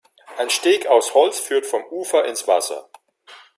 Ein Steg aus Holz führt vom Ufer ins Wasser.